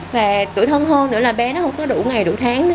và tuổi thân hơn nữa là bé nó không có đủ ngày đủ tháng nữa